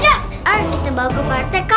lepas lah kita balik ke partai aja